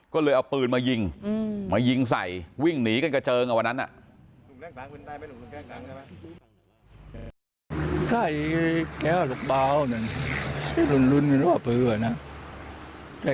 ก็เลยเอาปืนมายิงมายิงใส่วิ่งหนีกันกระเจิงกับวันนั้น